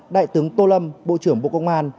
đại tướng tô lâm bộ trưởng bộ công an